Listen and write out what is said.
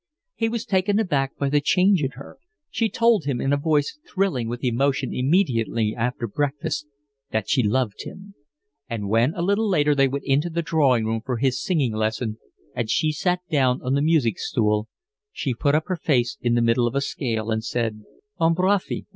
He was taken aback by the change in her. She told him in a voice thrilling with emotion immediately after breakfast that she loved him; and when a little later they went into the drawing room for his singing lesson and she sat down on the music stool she put up her face in the middle of a scale and said: "Embrasse moi."